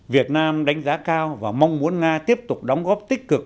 việt nam đánh giá cao và mong muốn nga tiếp tục đóng góp tích cực